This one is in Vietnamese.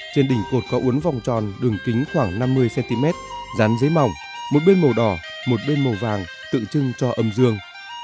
trên đỉnh cột có uốn vòng tròn đường kính khoảng năm mươi cm dán dế mỏng một bên màu đỏ một bên màu vàng tự trưng cho âm dương